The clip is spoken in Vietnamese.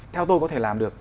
theo tôi có thể làm được